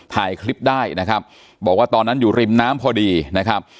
ถ่ายคลิปได้นะครับบอกว่าตอนนั้นอยู่ริมน้ำพอดีนะครับ